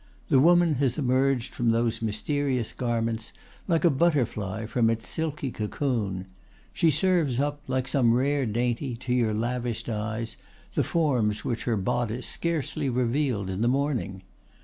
The woman has emerged from those mysterious garments like a butterfly from its silky cocoon. She serves up, like some rare dainty, to your lavished eyes, the forms which her bodice scarcely revealed in the morning.